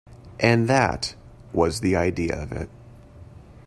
And that was the idea of it.